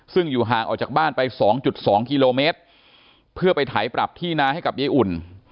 ซึ่งอยู่ห่างออกจากบ้านไป๒๒กิโลเมตรเพื่อไปไถปรับที่นาให้กับยายอุ่น